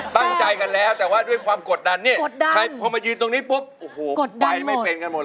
ตั้งใจกันแล้วแต่ว่าด้วยความกดดันเนี่ยใครพอมายืนตรงนี้ปุ๊บโอ้โหไปไม่เป็นกันหมด